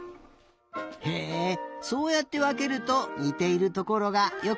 へえそうやってわけるとにているところがよくわかるね。